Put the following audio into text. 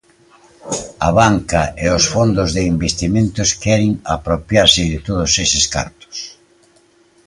A banca e os fondos de investimentos queren apropiarse de todos eses cartos.